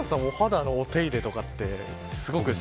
お肌のお手入れとかって。